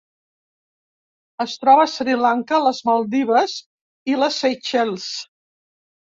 Es troba a Sri Lanka, les Maldives i les Seychelles.